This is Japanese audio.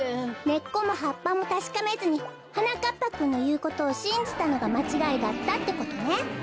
根っこも葉っぱもたしかめずにはなかっぱくんのいうことをしんじたのがまちがいだったってことね。